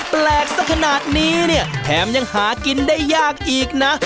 แปลกสักขนาดนี้เนี่ยแถมยังหากินได้ยากอีกนะ